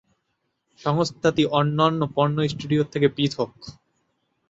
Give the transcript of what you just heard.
সংস্থাটি অন্যান্য পর্নো স্টুডিওর থেকে পৃথক।